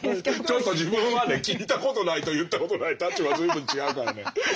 ちょっと自分はね聞いたことないと言ったことない立場は随分違うからね。